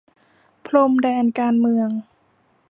พรมแดนการเมือง